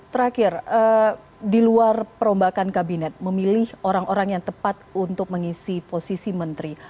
terakhir di luar perombakan kabinet memilih orang orang yang tepat untuk mengisi posisi menteri